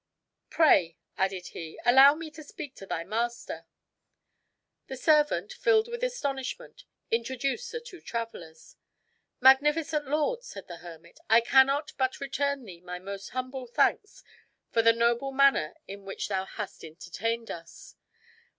"Pray," added he, "allow me to speak to thy master." The servant, filled with astonishment, introduced the two travelers. "Magnificent lord," said the hermit, "I cannot but return thee my most humble thanks for the noble manner in which thou hast entertained us.